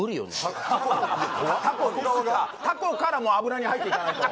タコからもう油に入っていかないと？